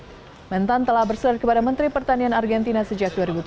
kementan telah berserah kepada menteri pertanian argentina sejak dua ribu tujuh belas